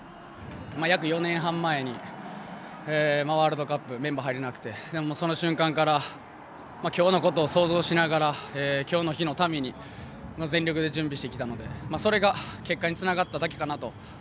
約４年半前にワールドカップメンバー入れなくてその瞬間から今日のことを想像しながら今日の日のために全力で準備してきたのでそれが結果につながっただけかなと。